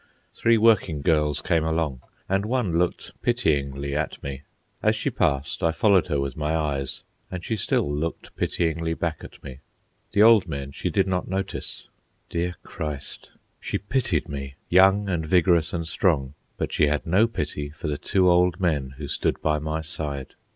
Three working girls came along, and one looked pityingly at me; as she passed I followed her with my eyes, and she still looked pityingly back at me. The old men she did not notice. Dear Christ, she pitied me, young and vigorous and strong, but she had no pity for the two old men who stood by my side!